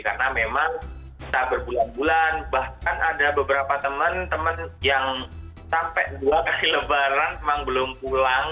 karena memang setelah berbulan bulan bahkan ada beberapa teman teman yang sampai dua kali lebaran memang belum pulang